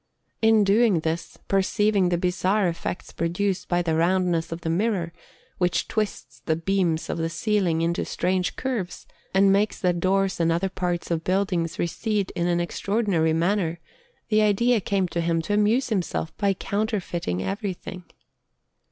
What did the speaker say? And in doing this, perceiving the bizarre effects produced by the roundness of the mirror, which twists the beams of a ceiling into strange curves, and makes the doors and other parts of buildings recede in an extraordinary manner, the idea came to him to amuse himself by counterfeiting everything.